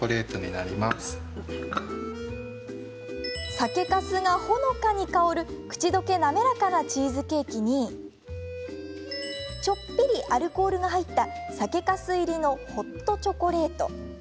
酒粕が、ほのかに香る口溶け滑らかなチーズケーキにちょっぴりアルコールが入った酒粕入りのホットチョコレート。